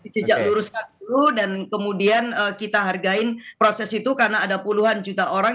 sejak luruskan dulu dan kemudian kita hargai proses itu karena ada puluhan juta orang